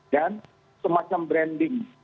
dan semacam branding